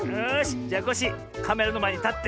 じゃコッシーカメラのまえにたって。